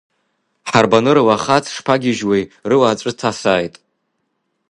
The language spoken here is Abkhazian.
Ҳарбаны рлахаҵ шԥагьыжьуеи, рыла аҵәы ҭасааит!